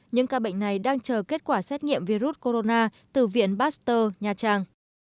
những ca bệnh này đang chờ kết quả xét nghiệm virus corona từ viện pasteur nha trang